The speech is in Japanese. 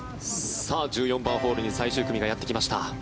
１４番ホールに最終組がやってきました。